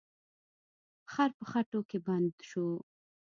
خر په خټو کې بند شو.